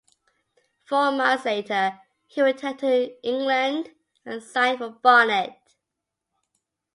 Four months later, he returned to England and signed for Barnet.